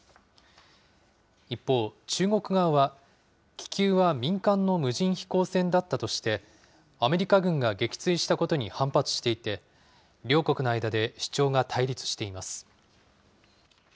一方、中国側は、気球は民間の無人飛行船だったとして、アメリカ軍が撃墜したことに反発していて、両国の間で主張が対立しています。